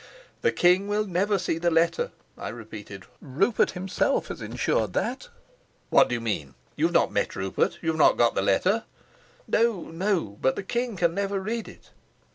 "The king will never see the letter," I repeated. "Rupert himself has insured that." "What do you mean? You've not met Rupert? You've not got the letter?" "No, no; but the king can never read it."